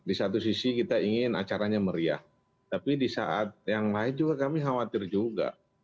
di satu sisi kita ingin acaranya meriah tapi di saat yang lain juga kami khawatir juga